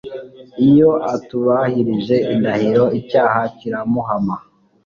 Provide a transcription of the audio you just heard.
iyo atubahirije indahiro, icyaha kiramuhama